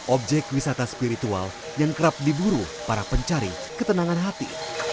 objek wisata spiritual yang kerap diburu para pencari ketenangan hati